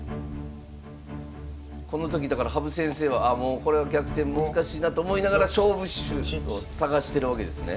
この時だから羽生先生はああもうこれは逆転難しいなと思いながら勝負手を探してるわけですね？